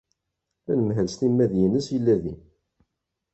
Anemhal s timmad-nnes yella din.